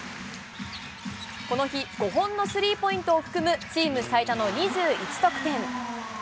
この日、５本のスリーポイントを含むチーム最多の２１得点。